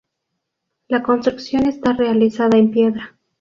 La construcción está realizada en piedra.